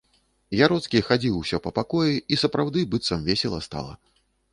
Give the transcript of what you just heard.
Яроцкі хадзіў усё па пакоі, і сапраўды, быццам весела стала.